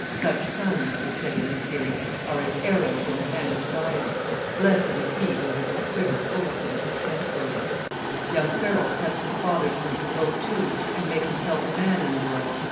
"Such sons," was said in his hearing, "are as arrows in the hand of a giant; blessed is he who has his quiver full of them!" Young Farel pressed his father to let him go too and make himself a man in the world.